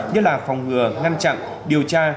như là phòng ngừa ngăn chặn điều tra